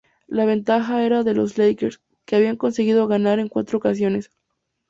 La ventaja era de los Lakers, que habían conseguido ganar en cuatro ocasiones.